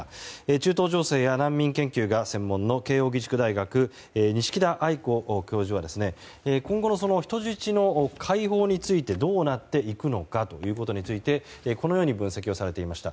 中東情勢や難民研究が専門の慶應義塾大学錦田愛子教授は今後の人質の解放についてどうなっていくのかということについてこのように分析をされていました。